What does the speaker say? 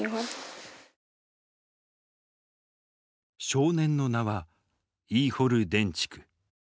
少年の名はイーホル・デンチク。